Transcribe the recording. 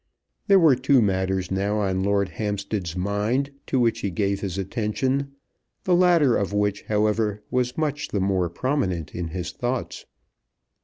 There were two matters now on Lord Hampstead's mind to which he gave his attention, the latter of which, however, was much the more prominent in his thoughts.